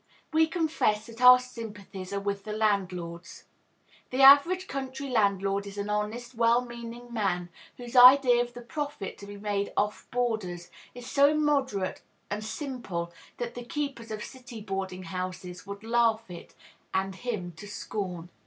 We confess that our sympathies are with the landlords. The average country landlord is an honest, well meaning man, whose idea of the profit to be made "off boarders" is so moderate and simple that the keepers of city boarding houses would laugh it and him to scorn.